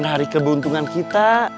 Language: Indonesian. bukan hari keberuntungan kita